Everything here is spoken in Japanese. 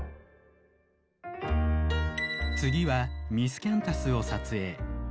次はミスキャンタスを撮影。